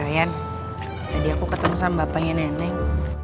tadi aku ketemu sama bapaknya neneng